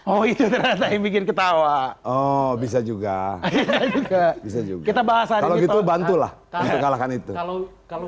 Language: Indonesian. oh itu terasa yang bikin ketawa oh bisa juga kita bahas hari itu bantulah kalahkan itu kalau kalau